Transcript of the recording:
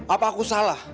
apa aku salah